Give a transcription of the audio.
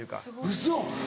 ウソ！